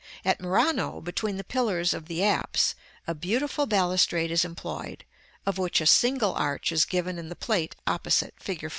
At Murano, between the pillars of the apse, a beautiful balustrade is employed, of which a single arch is given in the Plate opposite, fig.